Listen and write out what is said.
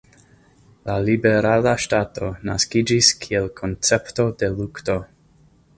La Liberala Ŝtato naskiĝis kiel koncepto de lukto.